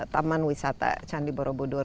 taman wisata candi borobudur